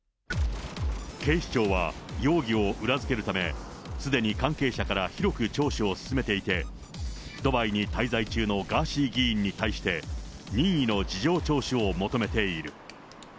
警視庁は、容疑を裏付けるため、すでに関係者から広く聴取を進めていて、ドバイに滞在中のガーシー議員に対して、任意の事情聴取を求めている。